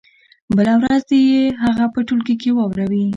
بله ورځ دې يې هغه په ټولګي کې واوروي.